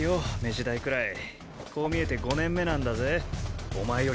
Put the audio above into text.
飯代くらいこう見えて５年目なんだぜ。